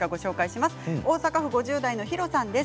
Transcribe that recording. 大阪府５０代の方です。